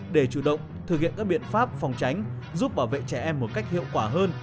để chủ động thực hiện các biện pháp phòng tránh giúp bảo vệ trẻ em một cách hiệu quả hơn